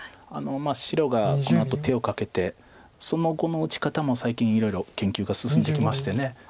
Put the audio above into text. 白がこのあと手をかけてその後の打ち方も最近いろいろ研究が進んできまして。